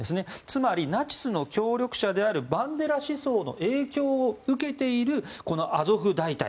つまりナチスの協力者であるバンデラ思想の影響を受けているアゾフ大隊。